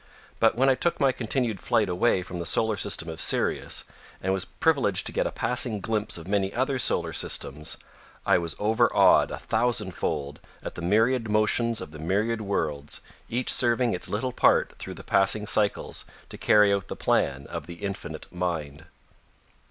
But when I took my continued flight away from the solar system of Sirius and was privileged to get a passing glimpse of many other solar systems, I was overawed a thousand fold at the myriad motions of the myriad worlds, each serving its little part through the passing cycles to carry out the plan of the Infinite Mind.